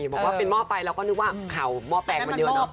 บอกว่าเป็นหม้อไฟเราก็นึกว่าข่าวหม้อแปลงมันเยอะเนอะ